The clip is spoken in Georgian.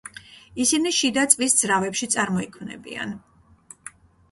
ისინი შიდაწვის ძრავებში წარმოიქმნებიან.